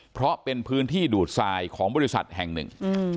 เพราะเป็นพื้นที่ดูดทรายของบริษัทแห่งหนึ่ง